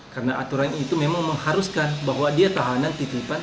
karena aturan itu memang mengharuskan bahwa dia tahanan